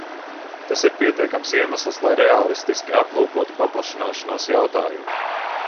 Tas ir pietiekams iemesls, lai reālistiski aplūkotu paplašināšanās jautājumu.